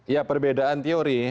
ya perbedaan teori